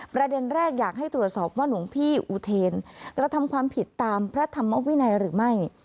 ประเด็นแรกอยากให้ตรวจสอบว่าหลวงพี่อุเทนกระทำความผิดตามพระธรรมวินัยหรือไม่